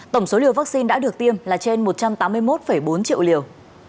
tổng số liều vaccine đã được tiêm là trên một trăm tám mươi một bốn triệu liều